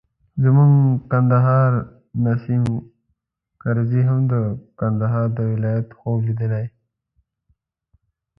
زموږ د کندهار نیسم کرزي هم د کندهار د ولایت خوب لیدلی.